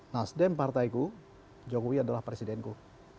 nasdem partaiku jokowi adalah presidenku